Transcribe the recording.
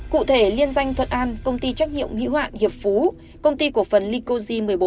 cụ thể liên danh thuận an công ty trách nhiệm hữu hoạn hiệp phú công ty cổ phần likoji một mươi bốn